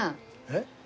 えっ？